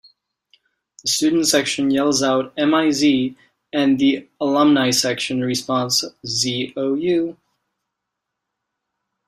The student section yells out "M-I-Z" and the alumni section responds "Z-O-U".